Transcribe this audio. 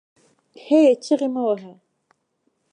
هې ! چیغې مه واهه